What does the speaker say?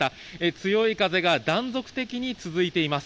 強い風が断続的に続いています。